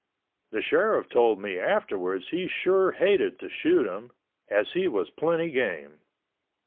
The Sheriff told me afterwards he sure hated to shoot him, as he was plenty game.